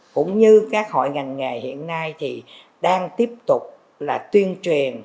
cũng như các hội ngành nghề hiện nay thì đang tiếp tục là tuyên truyền